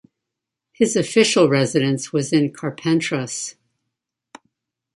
His official residence was in Carpentras.